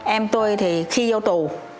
em tôi thì khi vô tù